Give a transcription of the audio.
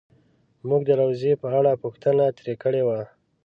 مونږ د روضې په اړه پوښتنه ترې کړې وه.